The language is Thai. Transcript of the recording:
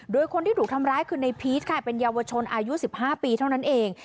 โดยคนที่ถูกทำร้ายคือในพีชค่ะเป็นเยาวชนอายุ๑๕ปีเท่านั้นเอง